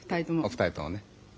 お二人ともね。